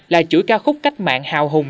là chuỗi ca khúc cách mạng hào hùng